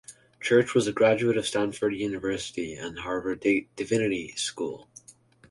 Church was a graduate of Stanford University and Harvard Divinity School.